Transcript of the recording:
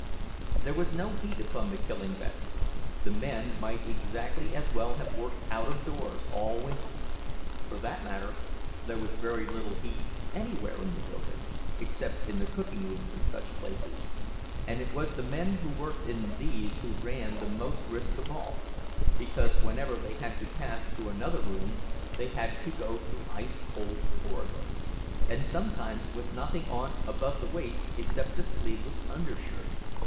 There was no heat upon the killing beds; the men might exactly as well have worked out of doors all winter. For that matter, there was very little heat anywhere in the building, except in the cooking rooms and such places—and it was the men who worked in these who ran the most risk of all, because whenever they had to pass to another room they had to go through ice cold corridors, and sometimes with nothing on above the waist except a sleeveless undershirt.